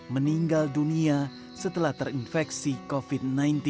meninggal dunia setelah terinfeksi covid sembilan belas